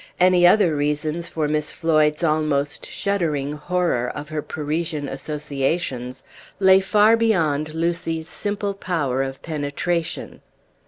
Any other reasons for Miss Floyd's almost shuddering horror of her Parisian associations lay far beyond Lucy's simple power of penetration.